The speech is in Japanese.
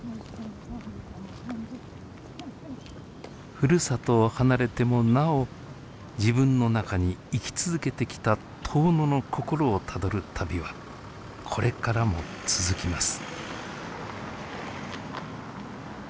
ふるさとを離れてもなお自分の中に生き続けてきた遠野の心をたどる旅はこれからも続きます。